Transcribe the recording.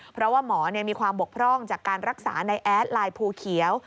เพราะว่าหมอมีความบกพร่องจากการรักษาในแอดไลน์ภูเขียว